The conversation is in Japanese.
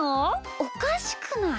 おかしくない？